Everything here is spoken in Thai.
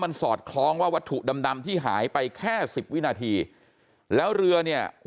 มันสอดคล้องว่าวัตถุดำดำที่หายไปแค่สิบวินาทีแล้วเรือเนี่ย